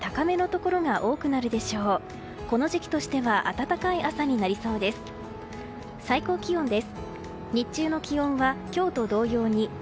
この時期としては暖かい朝になりそうです。